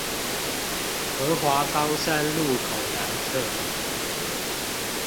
河華岡山路口南側